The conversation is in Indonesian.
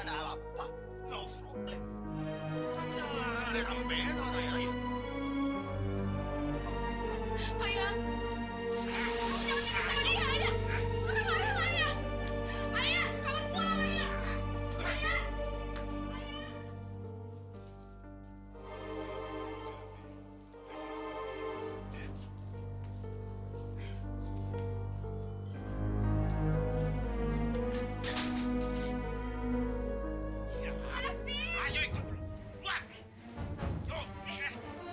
sampai jumpa di video selanjutnya